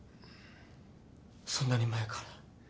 そんなに前から。